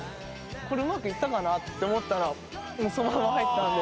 これうまくいったかな？って思ったらもうそのまま入ったんで。